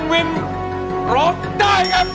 คุณร้องได้ให้ร้าน